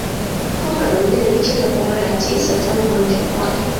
kombe la dunia lilichezwa kwa mara ya tisa tangu kuanzishwa kwake